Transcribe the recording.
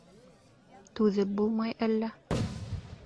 — Түҙеп булмай, әллә?